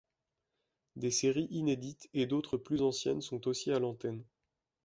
Des séries inédites et d'autres plus anciennes sont aussi à l'antenne.